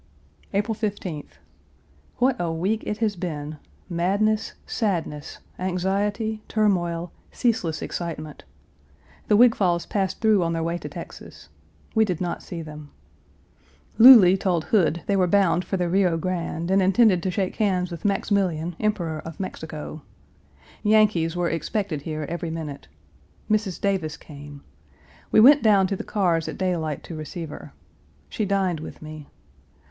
April 15th. What a week it has been madness, sadness, anxiety, turmoil, ceaseless excitement. The Wigfalls passed through on their way to Texas. We did not see them. Louly told Hood they were bound for the Rio Grande, and intended to shake hands with Maximilian, Emperor of Mexico. Yankees were expected here every minute. Mrs. Davis came. We went down to the cars at daylight to receive her. She dined with me.